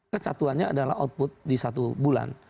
kesatuannya adalah output di satu bulan